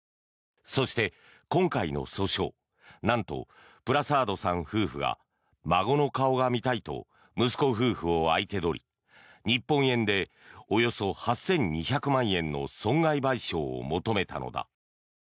そして、今回の訴訟なんと、プラサードさん夫婦が孫の顔が見たいと息子夫婦を相手取り日本円でおよそ８２００万円の損害賠償を求めたのだ。